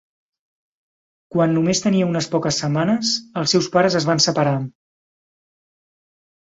Quan només tenia unes poques setmanes, els seus pares es van separar.